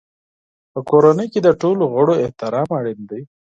په کورنۍ کې د ټولو غړو احترام اړین دی.